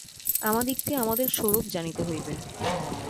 আমাদিগকে আমাদের স্বরূপ জানিতে হইবে।